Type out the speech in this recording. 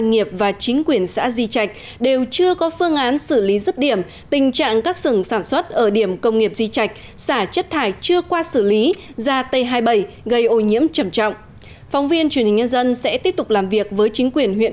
hãy đăng ký kênh để ủng hộ kênh của chúng mình nhé